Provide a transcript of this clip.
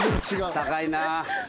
高いなぁ。